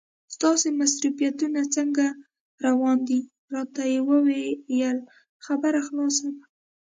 ستاسې مصروفیتونه څنګه روان دي؟ راته یې وویل خبره خلاصه ده.